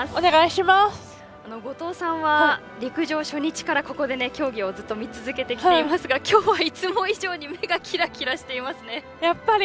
後藤さんは、陸上初日からここで、競技をずっと見続けていますがきょうはいつも以上に目がキラキラしていますね。